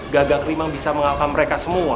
gagak limang bisa mengalahkan mereka semua